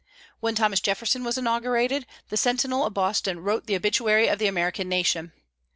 When Thomas Jefferson was inaugurated, the Sentinel of Boston wrote the obituary of the American nation.